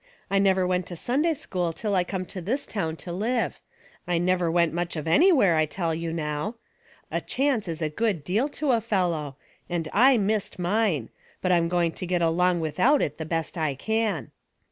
I never went to Sunday school till I come to this town to live. I never went much of anywhere, I tell you now ! A cliance is a good deal to a fellow, and I missed mine ; but I'm going to get along i^filhout it the best I can."